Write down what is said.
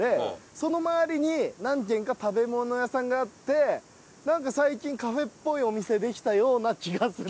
その周りに何軒か食べ物屋さんがあってなんか最近カフェっぽいお店できたような気がする。